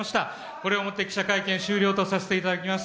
これをもって記者会見終了とさせていただきます。